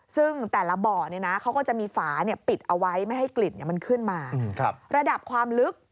ซึ่งแต่ละบ่อเขาก็จะมีฝาปิดเอาไว้ไม่ให้กลิ่นขึ้นมา